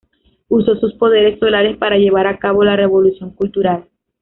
Usó sus poderes solares para llevar a cabo la revolución cultural.